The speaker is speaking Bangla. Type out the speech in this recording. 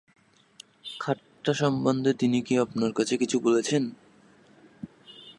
খাতাটা সম্বন্ধে তিনি কি আপনাদের কাছে কিছু বলেছেন?